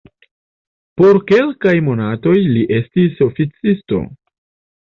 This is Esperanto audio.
Por kelkaj monatoj li estis oficisto.